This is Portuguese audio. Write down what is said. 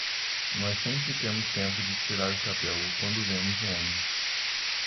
Nós sempre temos tempo de tirar o chapéu quando vemos um homem.